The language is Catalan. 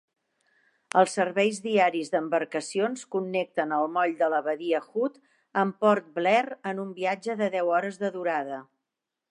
Els serveis diaris d'embarcacions connecten el moll de la badia Hut amb Port Blair en un viatge de deu hores de durada.